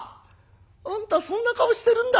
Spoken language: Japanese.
あんたそんな顔してるんだ」。